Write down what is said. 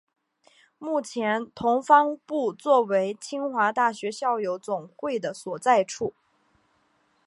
目前同方部作为清华大学校友总会的所在处。